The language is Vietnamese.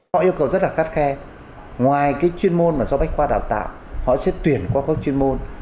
họ yêu cầu rất là khắt khe ngoài cái chuyên môn mà do bách khoa đào tạo họ sẽ tuyển qua các chuyên môn